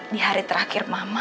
di hari terakhir mama